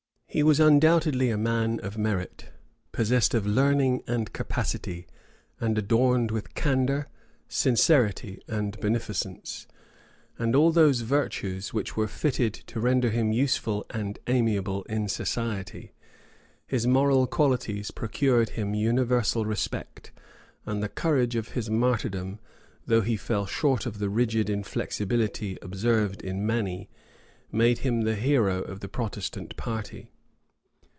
He was undoubtedly a man of merit; possessed of learning and capacity, and adorned with candor, sincerity, and beneficence, and all those virtues which were fitted to render him useful and amiable in society. His moral qualities procured him universal respect; and the courage of his martyrdom, though he fell short of the rigid inflexibility observed in many, made him the hero of the Protestant party.